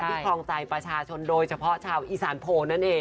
พิทองใจประชาชนโดยเฉพาะชาวอีสานโพ